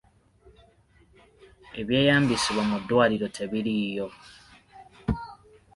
Ebyeyambisibwa mu ddwaliro tebiriiyo.